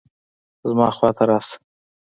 زما خوا ته راشه